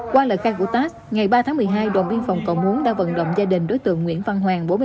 qua lời khai của tát ngày ba tháng một mươi hai đồn biên phòng cầu muốn đã vận động gia đình đối tượng nguyễn văn hoàng